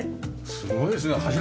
すごいですね柱！